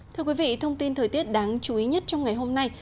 thưa quý vị thông tin thời tiết đáng chú ý nhất trong ngày hôm nay